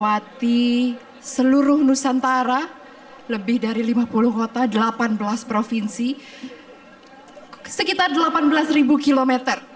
melewati seluruh nusantara lebih dari lima puluh kota delapan belas provinsi sekitar delapan belas km